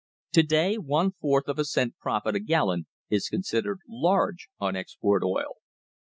To day one fourth of a cent profit a gallon is considered large on export oil.